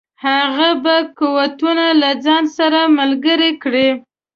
هغه به قوتونه له ځان سره ملګري کړي.